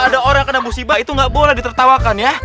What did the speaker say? ada orang kena musibah itu nggak boleh ditertawakan ya